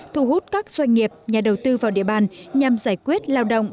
thu hút các doanh nghiệp nhà đầu tư vào địa bàn nhằm giải quyết lao động